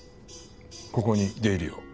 ここに出入りを？